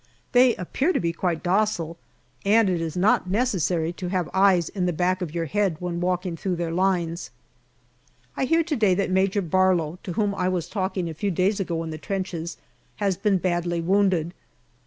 They appear to be quite docile, and it is not necessary to have eyes in the back of your head when walking through their lines. I hear to day that Major Barlow, to whom I was talking a few days ago in the trenches, has been badly wounded.